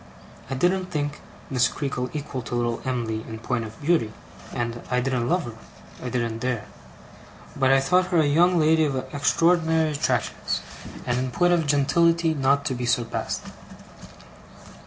I didn't think Miss Creakle equal to little Em'ly in point of beauty, and I didn't love her (I didn't dare); but I thought her a young lady of extraordinary attractions, and in point of gentility not to be surpassed.